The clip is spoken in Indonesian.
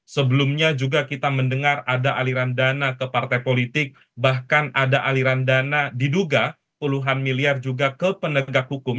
sebelumnya juga kita mendengar ada aliran dana ke partai politik bahkan ada aliran dana diduga puluhan miliar juga ke penegak hukum